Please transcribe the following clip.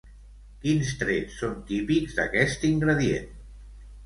Quins trets són típics d'aquest ingredient?